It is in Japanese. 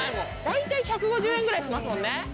大体１５０円ぐらいしますもんね。